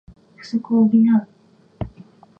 不足を補う